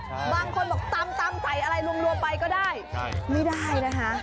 บางคนบอกตำตำใส่อะไรรวมไปก็ได้ใช่ไม่ได้นะคะ